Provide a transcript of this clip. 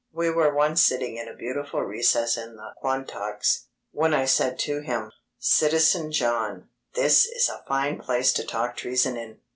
We were once sitting in a beautiful recess in the Quantocks, when I said to him: "Citizen John, this is a fine place to talk treason in!"